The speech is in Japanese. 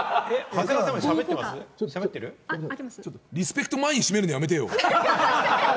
リスペクト前に閉めるのやめてよ！